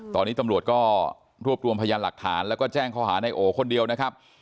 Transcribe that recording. ตอนนี้ตำรวจก็รวบรวมพยานหลักฐานแล้วก็แจ้งข้อหาในโอคนเดียวนะครับ